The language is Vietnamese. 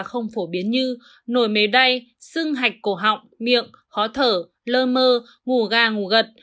không phổ biến như nổi mề đay xưng hạch cổ họng miệng khó thở lơ mơ ngủ gà ngủ gật